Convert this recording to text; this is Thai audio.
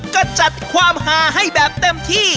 ก็จัดความหาให้แบบเต็มที่